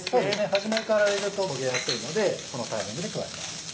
初めから入れると焦げやすいのでこのタイミングで加えます。